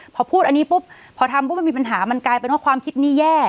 พอพูดอันนี้ปุ๊บพอทำปุ๊บมันมีปัญหามันกลายเป็นว่าความคิดนี้แย่